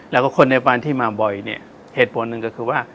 แล้วก็คนในบ้านที่มาบ่อยเนี่ยเหตุผลหนึ่งก็คือว่า